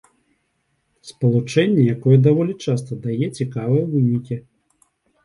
Спалучэнне, якое даволі часта дае цікавыя вынікі.